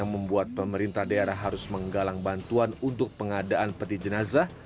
pemuda pancasila dan muhammadiyah harus menggalang bantuan untuk pengadaan peti jenazah